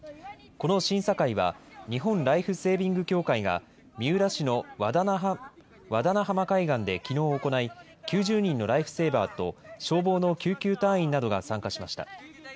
この審査会は日本ライフセービング協会が、三浦市の和田長浜海岸できのう行い、９０人のライフセーバーと消防の救急隊員などが参加しました。